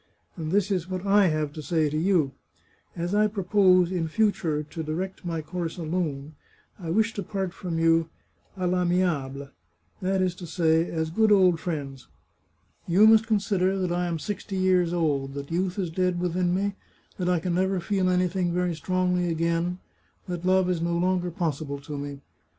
And this is what I have to say to you : As I propose, in future, to direct my course alone, I wish to part from you * d, I' amiable '— that is to say, as good old friends. You must consider that I am sixty years old, that youth is dead within me, that I can never feel any thing very strongly again, that love is no longer possible to me.